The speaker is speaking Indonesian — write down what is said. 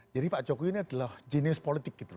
jadi pak jokowi ini adalah jenius politik gitu